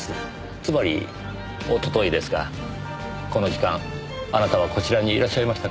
つまりおとといですがこの時間あなたはこちらにいらっしゃいましたか？